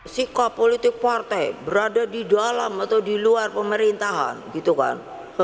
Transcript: sikap politik partai berada di dalam atau di luar pemerintahan gitu kan